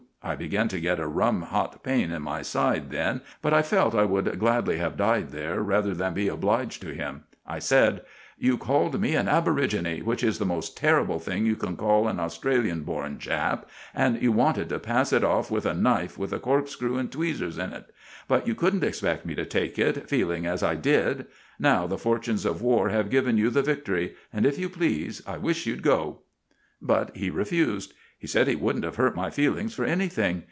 I began to get a rum hot pain in my side then, but I felt I would gladly have died there rather than be obliged to him. I said: "'You called me an "aborigine," which is the most terrible thing you can call an Australian born chap, and you wanted to pass it off with a knife with a corkscrew and tweezers in it. But you couldn't expect me to take it, feeling as I did. Now the fortunes of war have given you the victory, and, if you please, I wish you'd go.' "But he refused. He said he wouldn't have hurt my feelings for anything.